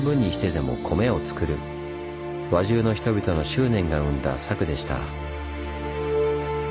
輪中の人々の執念が生んだ策でした。